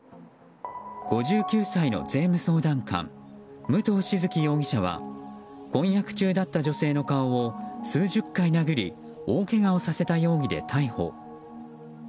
５９歳の税務相談官武藤静城容疑者は婚約中だった女性の顔を数十回殴り大けがをさせた容疑で逮捕。